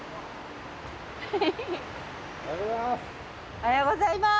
おはようございます。